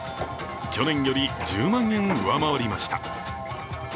去年より１０万円上回りました。